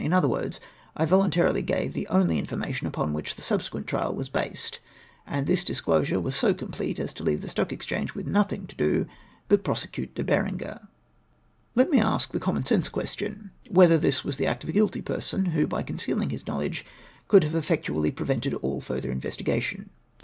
In other words, / voluntarily gave the only in formation upon ivhich the subsequent trial was based, and this disclosure was so complete as to leave the Stock Exchange nothing to do but to prosecute De Berenger. Let me ask the common sense question, whether this was the act of a guilty person, who by concealing his knowledge could have effectually prevented all further investigation